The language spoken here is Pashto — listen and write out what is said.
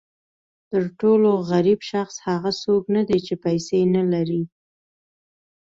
تر ټولو غریب شخص هغه څوک نه دی چې پیسې نه لري.